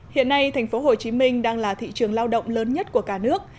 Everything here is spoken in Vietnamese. hiện nay thành phố hồ chí minh đang là thị trường lao động lớn nhất của cả nước